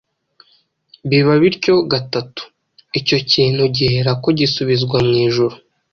Biba bityo gatatu, icyo kintu giherako gisubizwa mu ijuru.